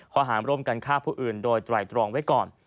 หารร่วมกันฆ่าผู้อื่นโดยไตรตรองไว้ก่อน